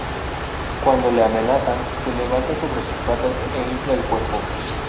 Cuando le amenazan se levanta sobre sus patas e infla el cuerpo.